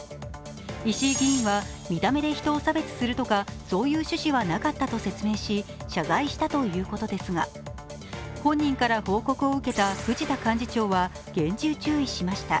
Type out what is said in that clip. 石井議員は見た目で人を差別するとか、そういう趣旨はなかったと説明し、謝罪したということですが、本人から報告を受けた藤田幹事長は厳重注意しました。